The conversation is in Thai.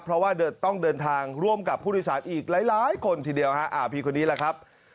เพราะว่าต้องเดินทางร่วมกับผู้โดยสารอีกหลายคนทีเดียวพี่คนนี้แหละครับ